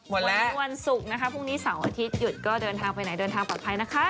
วันนี้วันศุกร์นะคะพรุ่งนี้เสาร์อาทิตยุดก็เดินทางไปไหนเดินทางปลอดภัยนะคะ